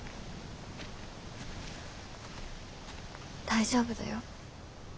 大丈夫だよ。